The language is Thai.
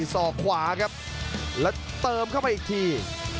ศอกขวาครับแล้วเติมเข้าไปอีกที